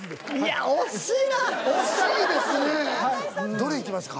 どれいきますか？